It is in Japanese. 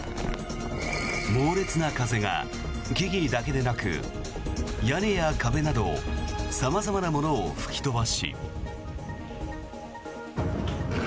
猛烈な風が、木々だけでなく屋根や壁など様々なものを吹き飛ばし。